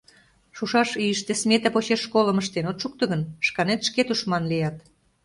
Шушаш ийыште смета почеш школым ыштен от шукто гын, шканет шке тушман лият.